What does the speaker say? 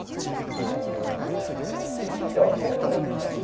続いては選挙について。